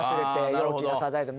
「陽気なサザエさん」